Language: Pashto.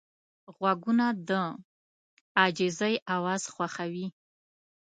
غوږونه د عاجزۍ اواز خوښوي